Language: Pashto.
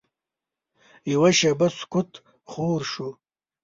یوه شېبه سکوت خور شو.